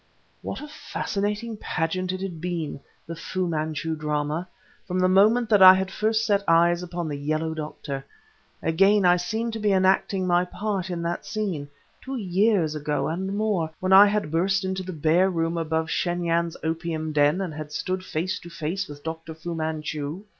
What a fascinating pageant it had been the Fu Manchu drama from the moment that I had first set eyes upon the Yellow doctor. Again I seemed to be enacting my part in that scene, two years ago and more, when I had burst into the bare room above Shen Yan's opium den and had stood face to face with Dr. Fu Manchu.